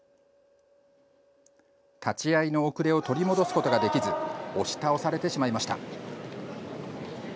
立ち合いの遅れを取り戻すことができず押し倒されてしまいました。